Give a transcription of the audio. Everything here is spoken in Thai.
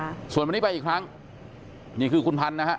ค่ะส่วนวันนี้ไปอีกครั้งนี่คือคุณพันธุ์นะฮะ